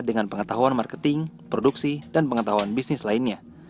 dengan pengetahuan marketing produksi dan pengetahuan bisnis lainnya